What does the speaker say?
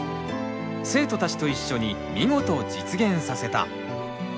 生徒たちと一緒に見事実現させた。